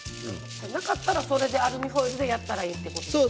なかったらアルミホイルでやったらいいということですよね。